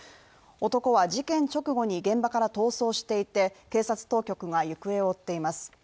男は事件直後に現場から逃走していて警察当局が行方を追っています。